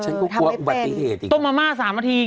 นะครับต้มแม่งทั้งสัน๒นิดที